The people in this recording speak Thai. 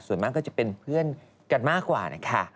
ส่วนมากก็จะเป็นเพื่อนกันมากกว่านะคะ